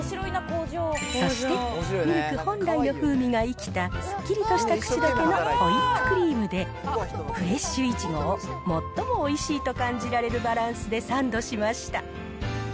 そして、ミルク本来の風味が生きたすっきりとしたくちどけのホイップクリームで、フレッシュイチゴを、最もおいしいと感じられるバランスでサンドしました。